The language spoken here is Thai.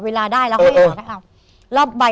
โปรดติดตามต่อไป